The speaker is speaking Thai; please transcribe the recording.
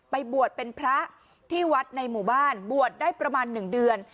บวชเป็นพระที่วัดในหมู่บ้านบวชได้ประมาณ๑เดือน